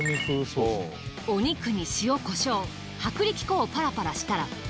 お肉に塩胡椒薄力粉をパラパラしたら。